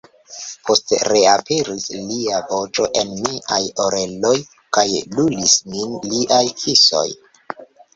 Poste reaperis lia voĉo en miaj oreloj, kaj lulis min liaj kisoj.